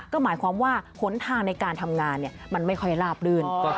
ก็หมายความว่าหนทางในการทำงานมันไม่ค่อยลาบลื่น